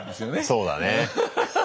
そうだね。